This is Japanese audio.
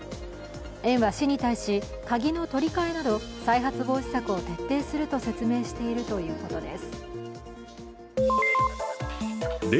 園は市に対し、鍵の取り替えなど再発防止策を徹底すると説明しているということです。